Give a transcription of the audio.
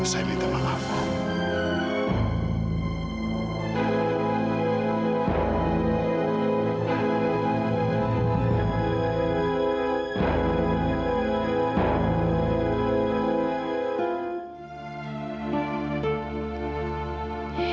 tentu saya tidak akan bisa mengangkat kepenyakannya